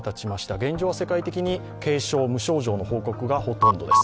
現状は世界的に軽症、無症状の報告がほとんどです。